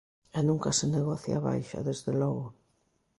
E nunca se negocia á baixa, desde logo.